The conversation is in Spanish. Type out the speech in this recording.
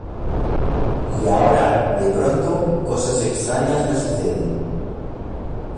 Y ahora, de pronto , cosas extrañas me suceden